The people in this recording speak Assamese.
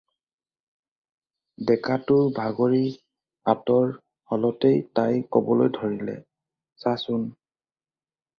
ডেকাটো ভাগৰি আঁতৰ হ'লতে তাই ক'বলৈ ধৰিলে, "চাচোন?"